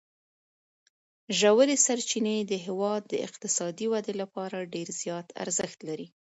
ژورې سرچینې د هېواد د اقتصادي ودې لپاره ډېر زیات ارزښت لري.